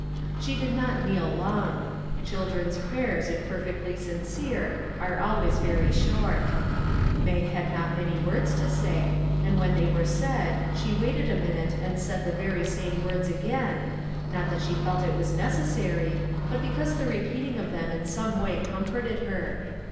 She did not kneel long; children's prayers if perfectly sincere are always very short; Mag had not many words to say, and when they were said, she waited a minute and said the very same words again, not that she felt it was necessary, but because the repeating them in some way comforted her.